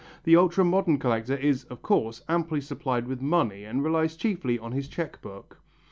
The ultra modern collector is, of course, amply supplied with money, and relies chiefly on his cheque book.